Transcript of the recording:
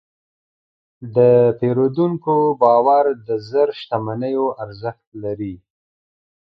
د پیرودونکي باور د زر شتمنیو ارزښت لري.